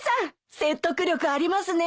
説得力ありますね。